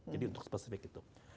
jadi untuk spesifik itu